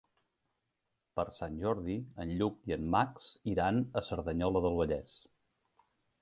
Per Sant Jordi en Lluc i en Max iran a Cerdanyola del Vallès.